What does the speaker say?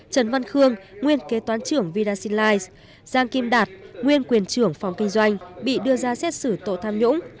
trần văn khương nguyên kế toán trưởng vidasilige giang kim đạt nguyên quyền trưởng phòng kinh doanh bị đưa ra xét xử tội tham nhũng